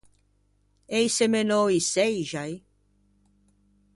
Ei semenou i çeixai?